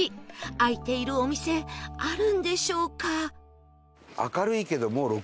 開いているお店あるんでしょうか？